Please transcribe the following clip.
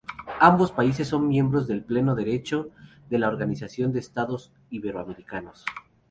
Ambos países son miembros de pleno derecho de la Organización de Estados Iberoamericanos.